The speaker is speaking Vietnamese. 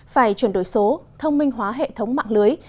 phải chuyển đổi số thông minh hóa hệ thống mạng lưới